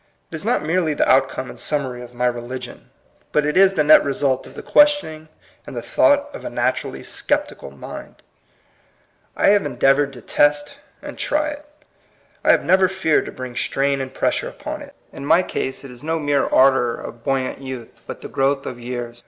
It is not merely the out come and summary of my religion, but it is the net result of the questioning and the thought of a naturally sceptical mind. I have endeavored to test and try it. I have never feared to bring strain and pressure upon it. In my case it is no mere ardor of buoyant youth, but the growth of years.